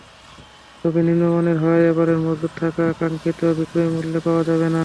তবে নিম্নমানের হওয়ায় এবারের মজুত থাকা গমে কাঙ্ক্ষিত বিক্রয়মূল্য পাওয়া যাবে না।